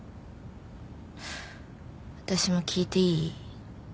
私も聞いていい？